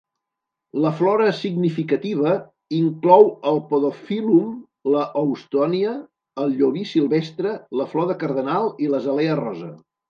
La flora significativa inclou el podophyllum, la houstonia, el llobí silvestre, la flor de cardenal i l'azalea rosa.